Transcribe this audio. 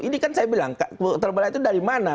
ini kan saya bilang terbelah itu dari mana